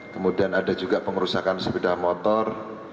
kemudian ada juga pengerusakan sepeda motor